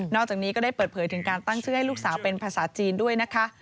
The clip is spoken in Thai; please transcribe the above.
อกจากนี้ก็ได้เปิดเผยถึงการตั้งชื่อให้ลูกสาวเป็นภาษาจีนด้วยนะคะ